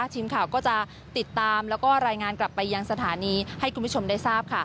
ทีมข่าวก็จะติดตามแล้วก็รายงานกลับไปยังสถานีให้คุณผู้ชมได้ทราบค่ะ